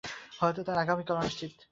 হয়তো তার আগামীকাল অনিশ্চিত।